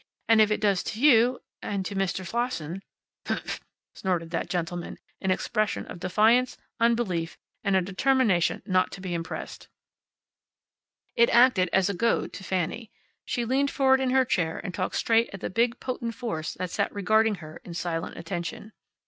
And if it does to you and to Mr. Slosson " "Humph!" snorted that gentleman, in expression of defiance, unbelief, and a determination not to be impressed. It acted as a goad to Fanny. She leaned forward in her chair and talked straight at the big, potent force that sat regarding her in silent attention.